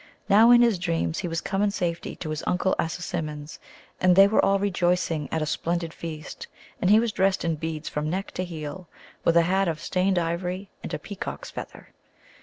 Now, in his dreams he was come in safety to his Uncle Assasimmon's, and they were all rejoicing at a splendid feast, and he was dressed in beads from neck to heel, with a hat of stained ivory and a peacock's feather.